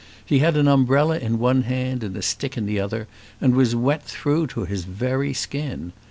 He had an umbrella in one hand and a stick in the other, and was wet through to his very skin.